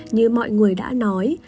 như mọi người đã nói